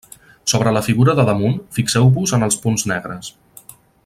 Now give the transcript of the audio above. Sobre la figura de damunt, fixeu-vos en els punts negres.